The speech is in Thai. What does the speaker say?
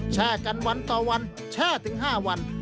แช่กันวันต่อวันแช่ถึง๕วัน